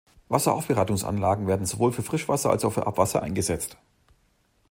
Wasseraufbereitungsanlagen werden sowohl für Frischwasser als auch für Abwasser eingesetzt.